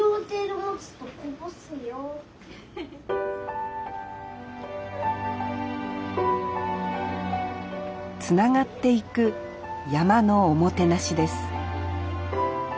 つながっていく山のおもてなしです